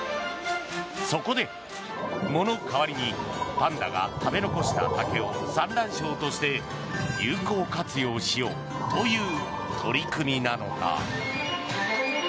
そこで、藻の代わりにパンダが食べ残した竹を産卵床として有効活用しようという取り組みなのだ。